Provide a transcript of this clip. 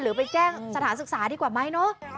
ไปแจ้งสถานศึกษาดีกว่าไหมเนาะ